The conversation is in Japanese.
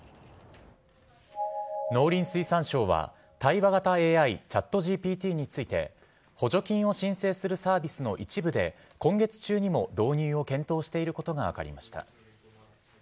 農林水産省は、対話型ＡＩ、チャットＧＰＴについて、補助金を申請するサービスの一部で、今月中にも導入を検討していることが分かりました。